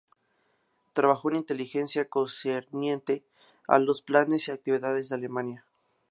Trabajó en inteligencia concerniente a los planes y actividades de Alemania.